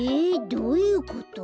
どういうこと？